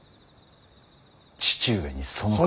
父上にその。